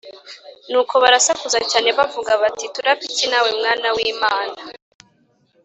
Nuko barasakuza cyane bavuga bati turapfa iki nawe Mwana w Imana